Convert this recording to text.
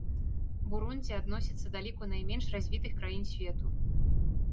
Бурундзі адносіцца да ліку найменш развітых краін свету.